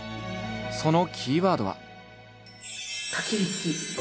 そのキーワードは。